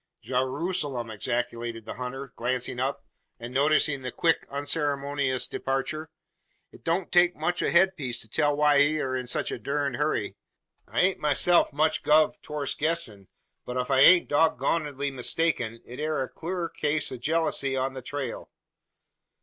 "Geeroozalem!" ejaculated the hunter, glancing up, and noticing the quick unceremonious departure. "It don't take much o' a head piece to tell why he air in sech a durned hurry. I ain't myself much guv torst guessin'; but if I ain't doggonedly mistaken it air a clur case o' jellacy on the trail!"